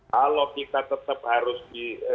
kalau kita tetap harus di